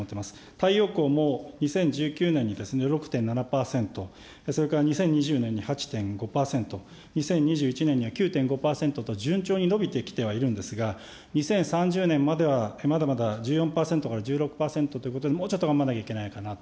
太陽光も２０１９年に６．７％、それから２０２０年に８．５％、２０２１年には９．５％と、順調に伸びてきてはいるんですが、２０３０年まではまだまだ１４％から１６％ということで、もうちょっと頑張んなきゃいけないかなと。